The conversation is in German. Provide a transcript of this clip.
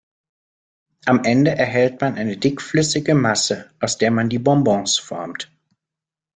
Am Ende erhält man eine dickflüssige Masse, aus der man die Bonbons formt.